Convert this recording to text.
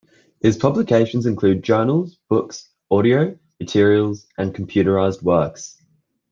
His publications include journals, books, audio materials, and computerized works.